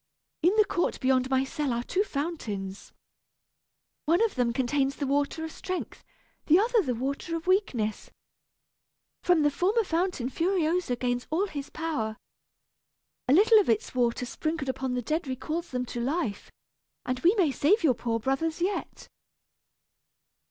In the court beyond my cell are two fountains. One of them contains the water of strength, the other the water of weakness. From the former fountain Furioso gains all his power. A little of its water sprinkled upon the dead recalls them to life, and we may save your poor brothers yet."